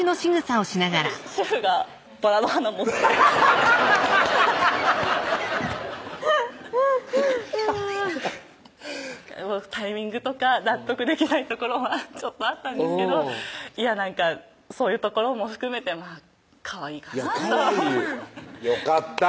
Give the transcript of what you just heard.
シェフがバラの花持ってタイミングとか納得できないところはちょっとあったんですけどなんかそういうところも含めてかわいいかなとかわいいよかった